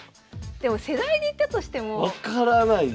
でも世代でいったとしても。分からないっすね。